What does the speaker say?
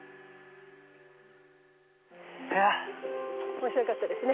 面白かったですね。